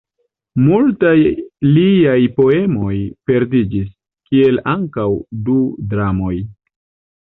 Multaj liaj poemoj perdiĝis, kiel ankaŭ du dramoj.